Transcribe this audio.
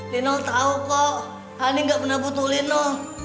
lino tau kok honey gak pernah butuh lino